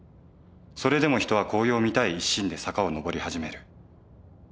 それでも人は紅葉を見たい一心で坂を上り始める。